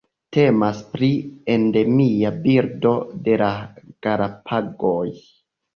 Temas pri endemia birdo de la Galapagoj.